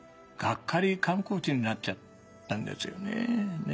ガッカリ観光地になっちゃったんですよね。